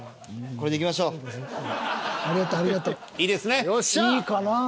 いいかなぁ？